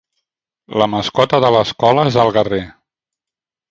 La mascota de l'escola és el Guerrer.